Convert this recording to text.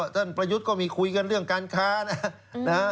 ประยุทธ์ก็มีคุยกันเรื่องการค้านะฮะ